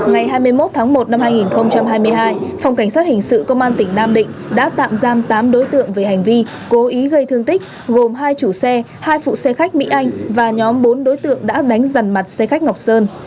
ngày hai mươi một tháng một năm hai nghìn hai mươi hai phòng cảnh sát hình sự công an tỉnh nam định đã tạm giam tám đối tượng về hành vi cố ý gây thương tích gồm hai chủ xe hai phụ xe khách mỹ anh và nhóm bốn đối tượng đã đánh dần mặt xe khách ngọc sơn